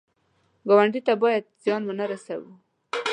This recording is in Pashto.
ګاونډي ته باید زیان ونه رسوو